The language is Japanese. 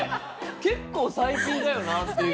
結構最近だよなっていう。